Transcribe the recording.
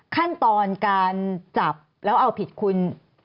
ขั้นตอนการจับแล้วเอาผิดคุณ